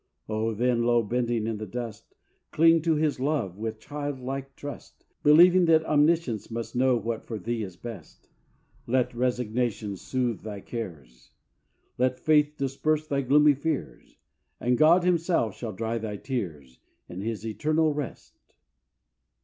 O! then, low bending in the dust, Cling to His LOVE, with child like trust, Believing that Omniscience must Know what for thee is best; Let resignation soothe thy cares; Let faith disperse thy gloomy fears; And God Himself shall dry thy tears In His eternal rest.